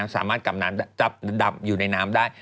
สามารถกำหนังดับอยู่ในน้ำได้